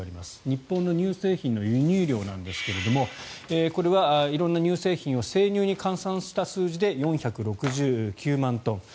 日本の乳製品の輸入量なんですがこれは色んな乳製品を生乳に換算した数字で４６９万トン。